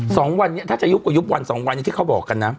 สองวันถ้าจะยุบกว่ายุบวันที่เขาบอก